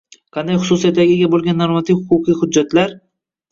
Qanday xususiyatlarga ega bo‘lgan normativ-huquqiy hujjatlar